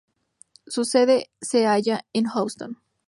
Su sede se halla en Houston.